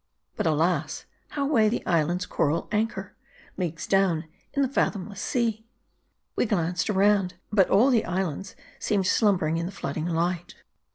But alas ! how weigh the isle's coral anchor, leagues down in the fathomless sea ? We glanced around ; but all the islands seemed slumber ing in the flooding light.